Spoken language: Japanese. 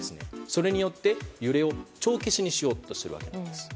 それによって揺れを帳消しにしようとするわけです。